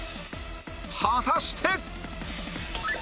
果たして